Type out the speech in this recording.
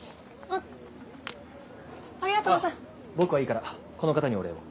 あっ僕はいいからこの方にお礼を。